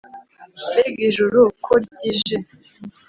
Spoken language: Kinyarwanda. Mbega ijuru ko ryije